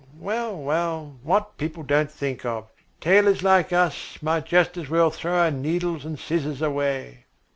Well, well, what people don't think of. Tailors like us might just as well throw our needles and scissors away."